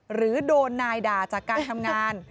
หรือโดนนายด่าจากการทำงาน